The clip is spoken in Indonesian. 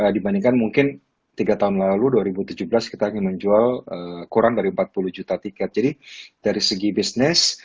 dibandingkan mungkin tiga tahun lalu dua ribu tujuh belas kita ingin menjual kurang dari empat puluh juta tiket jadi dari segi bisnis